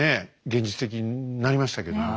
現実的になりましたけども。